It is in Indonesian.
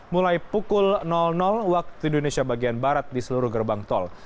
mulai pukul waktu indonesia bagian barat di seluruh gerbang tol